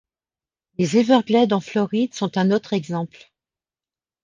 Les Everglades, en Floride, sont un autre exemple.